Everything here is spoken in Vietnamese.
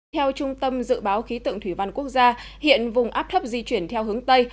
theo trung tâm dự báo khí tượng thủy văn quốc gia hiện vùng áp thấp di chuyển theo hướng tây